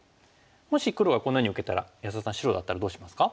もし黒がこのように受けたら安田さん白だったらどうしますか？